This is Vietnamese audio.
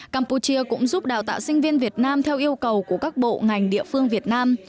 campuchia cũng giúp đào tạo sinh viên việt nam theo yêu cầu của các bộ ngành địa phương việt nam